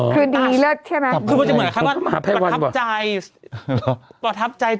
อ๋อคือดีเลิศใช่ไหมคือมันจะเหมือนกับภาพภัยวันประทับใจหรอประทับใจ